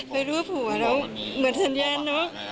ในรูปหัวเราเหมือนทันแย่นเนอะ